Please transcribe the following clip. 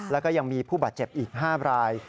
แล้วก็ยังมีผู้บาดเจ็บอีก๕ราย